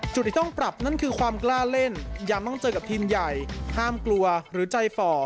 จุดที่ต้องปรับนั่นคือความกล้าเล่นยังต้องเจอกับทีมใหญ่ห้ามกลัวหรือใจฝ่อ